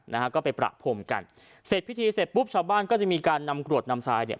นะฮะก็ไปประพรมกันเสร็จพิธีเสร็จปุ๊บชาวบ้านก็จะมีการนำกรวดนำทรายเนี่ย